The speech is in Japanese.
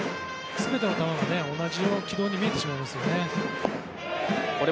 全ての球が同じ軌道に見えてしまいますよね。